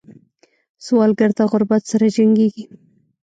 سوالګر د غربت سره جنګېږي